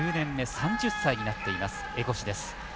３０歳になっています、江越です。